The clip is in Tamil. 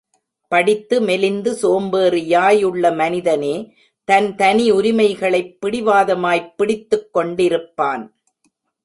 படித்து, மெலிந்து சோம்பேறியாயுள்ள மனிதனே தன் தனி உரிமைகளைப் பிடிவாதமாய்ப் பிடித்துக் கொண்டிருப்பான்.